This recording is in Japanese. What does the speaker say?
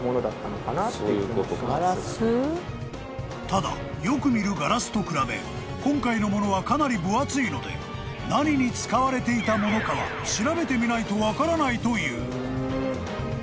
［ただよく見るガラスと比べ今回のものはかなり分厚いので何に使われていたものかは調べてみないと分からないという］